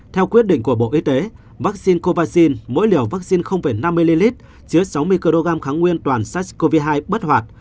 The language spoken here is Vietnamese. theo quyết định của bộ y tế vaccine covacin mỗi liều vaccine năm ml chứa sáu mươi kg kháng nguyên toàn sars cov hai bất hoạt